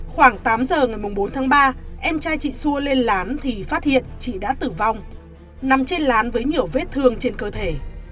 khoảng tám giờ ngày bốn tháng ba em trai chị xua lên lán thì phát hiện chị đã tử vong nằm trên lán với nhiều vết thương trên cơ thể